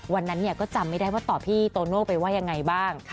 วันนั้นก็จำไม่ได้ว่าตอบพี่โตโน่ไปว่ายังไงบ้าง